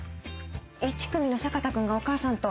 １組の坂田くんがお母さんと。